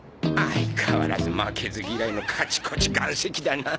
相変わらず負けず嫌いのカチコチ岩石だな。